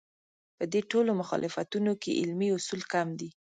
په دې ټولو مخالفتونو کې علمي اصول کم دي.